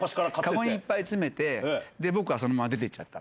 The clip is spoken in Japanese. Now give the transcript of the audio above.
籠いっぱい詰めて、僕はそのまま出て行っちゃった。